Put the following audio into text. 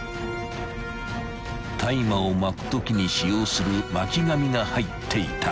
［大麻を巻くときに使用する巻紙が入っていた］